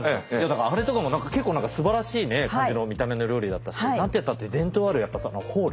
あれとかも結構何かすばらしい感じの見た目の料理だったし何てったって伝統あるホール